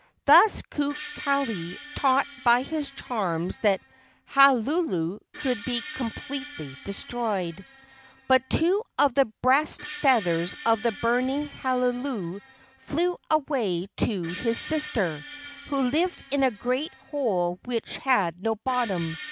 Thus Kukali taught by his charms that Halulu could be completely destroyed. But two of the breast feathers of the burning Halulu flew away to his sister, who lived in a great hole which had no bottom.